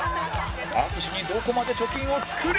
淳にどこまで貯金を作れるか？